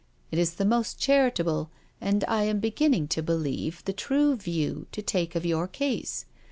It is the most charitable, and I am beginning to believe, the true view, to take of your case.